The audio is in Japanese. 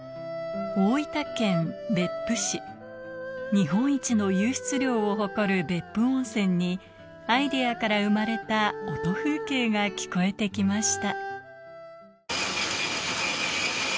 日本一の湧出量を誇る別府温泉にアイデアから生まれた音風景が聞こえてきました